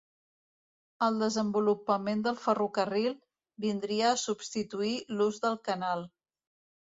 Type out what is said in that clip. El desenvolupament del ferrocarril vindria a substituir l'ús del canal.